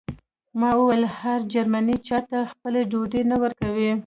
ما وویل هر جرمنی چاته خپله ډوډۍ نه ورکوي